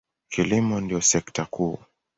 Kilimo ndiyo sekta kuu.